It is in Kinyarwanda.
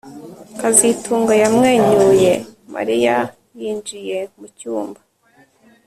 kazitunga yamwenyuye Mariya yinjiye mucyumba